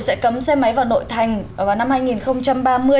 sẽ cấm xe máy vào nội thành vào năm